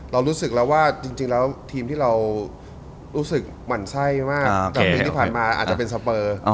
เรารู้สึกแล้วทีมที่เรารู้สึกหวั่นไส้มากตลอดนี้ผ่านมาอาจจะเป็นสเปอร์